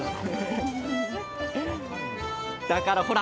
だからほら！